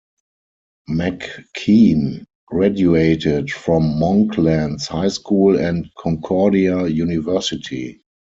McKean graduated from Monklands High School and Concordia University.